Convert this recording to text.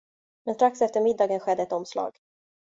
Men strax efter middagen skedde ett omslag.